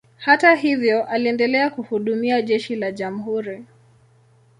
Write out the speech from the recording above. Hata hivyo, aliendelea kuhudumia jeshi la jamhuri.